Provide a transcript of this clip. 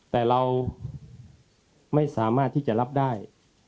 แต่เราไม่สามารถที่จะรับได้